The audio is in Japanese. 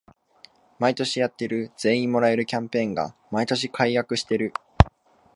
毎年やってる全員もらえるキャンペーンが毎年改悪してる